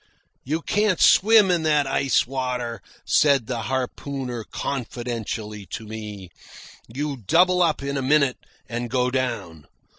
"You can't swim in that ice water," said the harpooner confidentially to me. "You double up in a minute and go down.